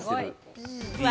うわ！